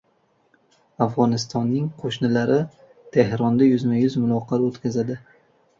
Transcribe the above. Afg‘onistonning qo‘shnilari Tehronda yuzma-yuz muloqot o‘tkazadi